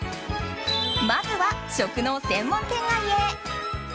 まずは食の専門店街へ。